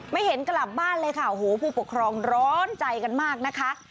ไม่เห็นกลับบ้านเลยค่ะโอ้โหผู้ปกครองร้อนใจกันมากนะคะ